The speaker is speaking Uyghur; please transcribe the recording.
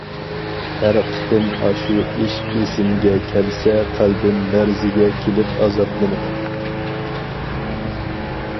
ھەر قېتىم ئاشۇ ئىش ئېسىمگە كەلسە قەلبىم لەرزىگە كېلىپ ئازابلىنىمەن.